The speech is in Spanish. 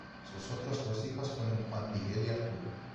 Sus otros dos hijos fueron Juan Miguel y Arturo.